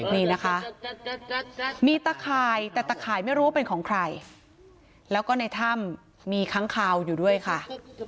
นี่นะคะมีตะข่ายแต่ตะข่ายไม่รู้ว่าเป็นของใครแล้วก็ในถ้ำมีค้างคาวอยู่ด้วยค่ะ